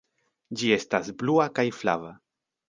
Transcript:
Ĝi estas blua kaj flava.